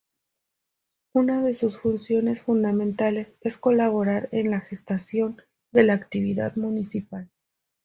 Una de sus funciones fundamentales es colaborar en la gestión de la actividad municipal.